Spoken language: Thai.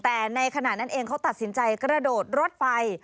แต่ในขณะนั้นเองเขาตัดสินใจกระโดดรถไฟ